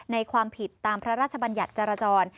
ความผิดตามพระราชบัญญัติจรจร